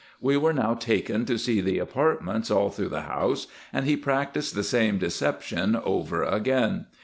We were now taken to see the apartments all through the house, and IN EGYPT, NUBIA, &c. 151 he practised the same deception over again.